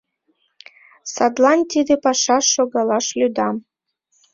Садлан тиде пашаш шогалаш лӱдам.